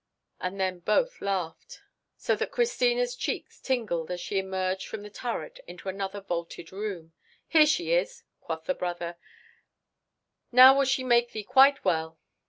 And then both laughed, so that Christina's cheeks tingled as she emerged from the turret into another vaulted room. "Here she is," quoth the brother; "now will she make thee quite well."